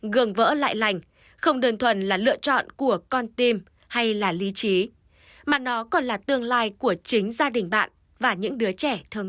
gường vỡ lại lành không đơn thuần là lựa chọn của con tim hay là lý trí mà nó còn là tương lai của chính gia đình bạn và những đứa trẻ thường